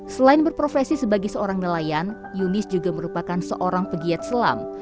selain berprofesi sebagai seorang nelayan yunis juga merupakan seorang pegiat selam